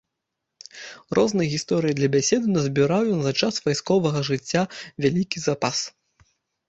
Розных гісторый для бяседы назбіраў ён за час вайсковага жыцця вялікі запас.